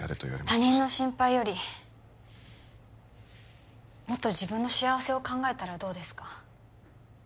他人の心配よりもっと自分の幸せを考えたらどうですか？